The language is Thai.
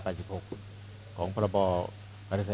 บศพของภสถา